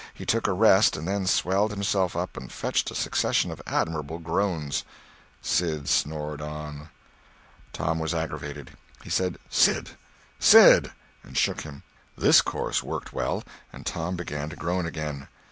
He took a rest and then swelled himself up and fetched a succession of admirable groans. Sid snored on. Tom was aggravated. He said, "Sid, Sid!" and shook him. This course worked well, and Tom began to groan again.